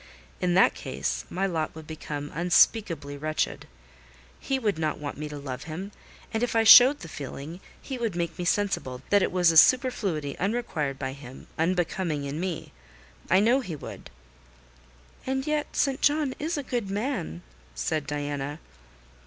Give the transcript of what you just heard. In that case, my lot would become unspeakably wretched. He would not want me to love him; and if I showed the feeling, he would make me sensible that it was a superfluity, unrequired by him, unbecoming in me. I know he would." "And yet St. John is a good man," said Diana.